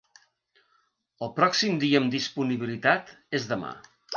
El pròxim dia amb disponibilitat és demà.